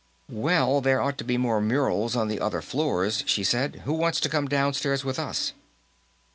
"Well, there ought to be more murals on the other floors," she said. "Who wants to come downstairs with us?"